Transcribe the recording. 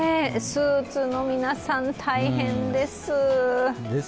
スーツの皆さん、大変です。